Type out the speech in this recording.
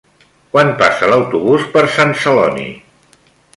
Quan passa l'autobús per Sant Celoni?